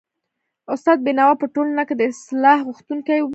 استاد بينوا په ټولنه کي د اصلاح غوښتونکی و.